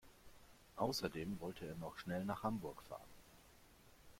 Außerdem wollte er noch schnell nach Hamburg fahren